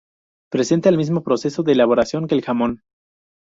Presenta el mismo proceso de elaboración que el jamón.